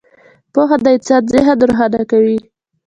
• پوهه د انسان ذهن روښانه کوي.